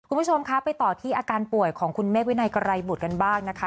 คุณผู้ชมคะไปต่อที่อาการป่วยของคุณเมฆวินัยกรายบุตรกันบ้างนะคะ